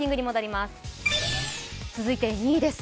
続いて２位です。